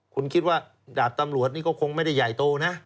คุณคิดว่าดาบตำรวจนี่ก็คงไม่ได้ใหญ่โตนะ